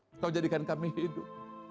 engkau menciptakan kami hidup